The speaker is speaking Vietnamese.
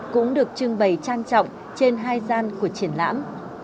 cũng được trưng bày trang trọng trên hai gian của triển lãm